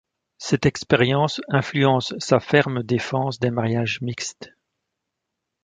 Cette expérience influence sa ferme défense des mariages mixtes.